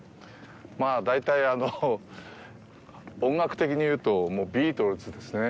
まあ大体、音楽的に言うとビートルズですね。